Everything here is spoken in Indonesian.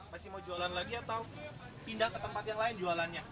masih mau jualan lagi atau pindah ke tempat yang lain jualannya